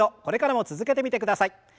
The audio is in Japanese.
これからも続けてみてください。